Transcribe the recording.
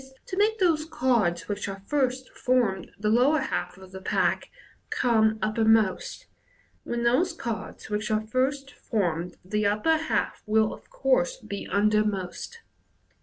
to make those cards which at first formed the lower half of the pack, come uppermost, when those cards which at first formed the upper half will of course be undermost.